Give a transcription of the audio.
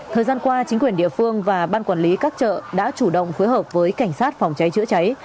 thời gian qua chính quyền địa phương và ban quản lý các chợ đã chủ động phối hợp với cảnh sát phòng cháy chữa cháy